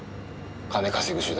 金稼ぐ手段